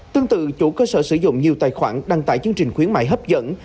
tương tự chủ cơ sở sử dụng nhiều tài khoản đăng tải chương trình khuyến mại hấp dẫn